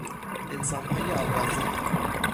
انسانهای آغازین